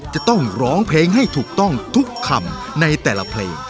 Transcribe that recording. จะต้องร้องเพลงให้ถูกต้องทุกคำในแต่ละเพลง